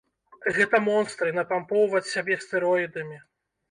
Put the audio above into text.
Гэта монстры, напампоўваць сябе стэроідамі.